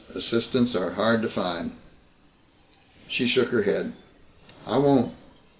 Assistants are hard to find." She shook her head. "I won't.